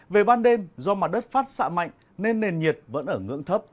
về ban đêm do mặt đất phát xạ mạnh nên nền nhiệt vẫn ở ngưỡng thấp